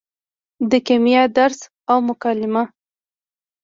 د کیمیا درس او مکالمه